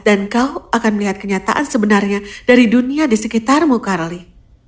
dan kau akan melihat kenyataan sebenarnya dari dunia di sekitarmu carly